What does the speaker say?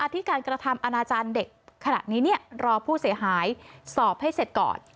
ที่การกระทำอนาจารย์เด็กขณะนี้รอผู้เสียหายสอบให้เสร็จก่อน